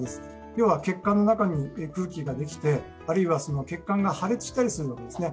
要は血管の中に空気ができて、あるいは血管が破裂するわけですね。